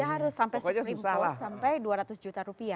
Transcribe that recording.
ya harus sampai setinggi impor sampai dua ratus juta rupiah